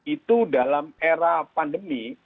itu dalam era pandemi